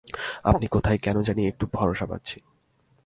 আপনি থাকায় কেন জানি একটু ভরসা পাচ্ছি।